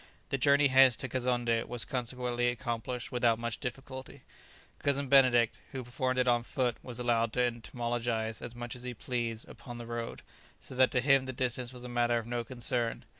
The journey hence to Kazonndé was consequently accomplished without much difficulty; Cousin Benedict, who performed it on foot, was allowed to entomologize as much as he pleased upon the road, so that to him the distance was a matter of no concern.